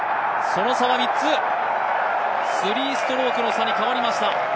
その差は３つ、３ストロークの差に変わりました。